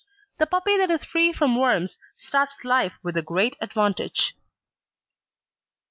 The puppy that is free from worms starts life with a great advantage.